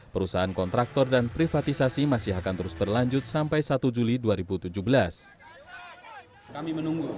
perusahaan kontraktor dan privatisasi masih akan terus berlanjut sampai satu juli dua ribu tujuh belas